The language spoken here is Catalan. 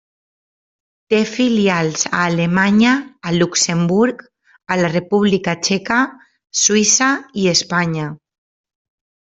Té filials a Alemanya, a Luxemburg, a la República Txeca, Suïssa i Espanya.